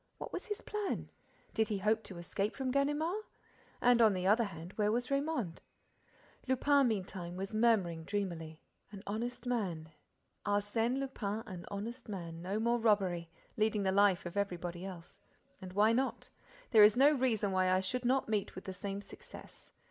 What was his plan? Did he hope to escape from Ganimard? And, on the other hand, where was Raymonde? Lupin, meantime, was murmuring, dreamily: "An honest man.—Arsène Lupin an honest man—no more robbery—leading the life of everybody else.—And why not? There is no reason why I should not meet with the same success.